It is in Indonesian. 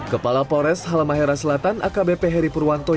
kepala polres halmahera selatan akbp heri purwanto